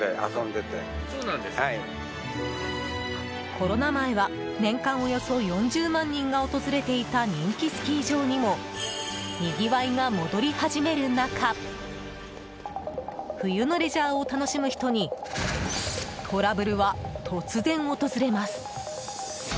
コロナ前は年間およそ４０万人が訪れていた人気スキー場にもにぎわいが戻り始める中冬のレジャーを楽しむ人にトラブルは突然、訪れます。